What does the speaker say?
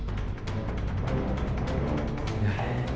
aku juga gak usah khawatir